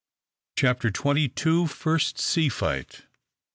CHAPTER TWENTY TWO. FIRST SEA FIGHT.